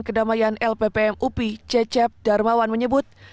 kedamaian lppm upi cecep darmawan menyebut